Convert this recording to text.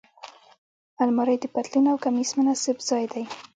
الماري د پتلون او کمیس مناسب ځای دی